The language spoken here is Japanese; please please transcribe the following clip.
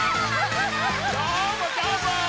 どーもどーも！